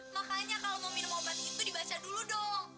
makanya kalau mau minum obat itu dibaca dulu dong